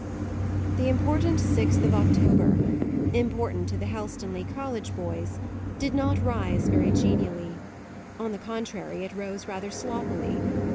The important sixth of October important to the Helstonleigh College boys did not rise very genially. On the contrary, it rose rather sloppily.